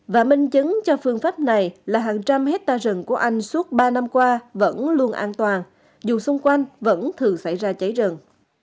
và minh chứng cho phương pháp này là hàng trăm hectare rừng của anh suốt ba năm qua vẫn luôn an toàn dù xung quanh vẫn thường xảy ra cháy rừng